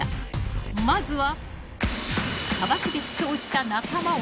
［まずは］